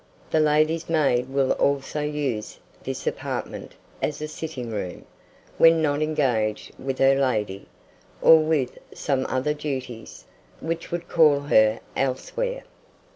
The lady's maid will also use this apartment as a sitting room, when not engaged with her lady, or with some other duties, which would call her elsewhere.